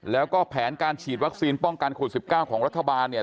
แล้วก็แผนการฉีดวัคซีนป้องกันโควิด๑๙ของรัฐบาลเนี่ย